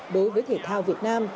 đối với thể thao việt nam